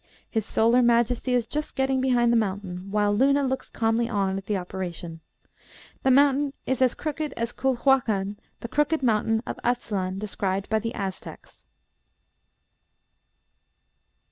His solar majesty is just getting behind the mountain, while Luna looks calmly on at the operation. The mountain is as crooked as Culhuacan, the crooked mountain of Atzlan described by the Aztecs.